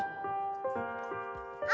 「あ！」